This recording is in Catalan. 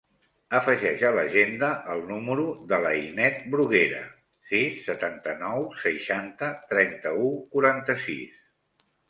Afegeix a l'agenda el número de l'Ainet Bruguera: sis, setanta-nou, seixanta, trenta-u, quaranta-sis.